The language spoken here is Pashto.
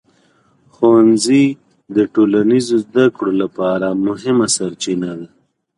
ښوونځي د ټولنیز زده کړو لپاره مهمه سرچینه ده.